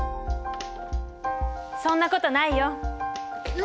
そんなことないよ。